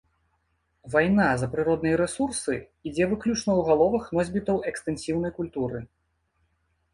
Вайна за прыродныя рэсурсы ідзе выключна ў галовах носьбітаў экстэнсіўнай культуры.